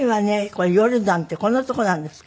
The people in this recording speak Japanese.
これヨルダンってこんな所なんですか？